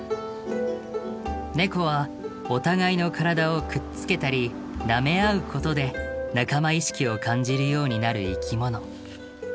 ネコはお互いの体をくっつけたりなめ合うことで仲間意識を感じるようになる生き物。